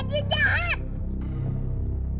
apakah kau sudah menyerahkan alvin